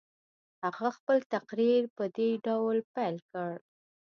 هغه خپل تقریر په دې ډول پیل کړ.